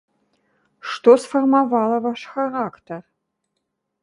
Што сфармавала ваш характар?